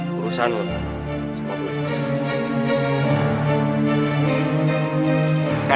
perusahaan lu sama gue